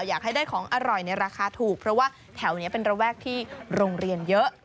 อยากให้ได้ของอร่อยในราคาถูกเพราะว่าแถวนี้เป็นระแวกที่โรงเรียนเยอะ